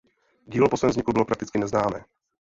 Dílo po svém vzniku bylo prakticky neznámé.